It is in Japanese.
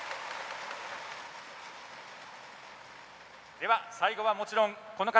では、最後はもちろんこの方。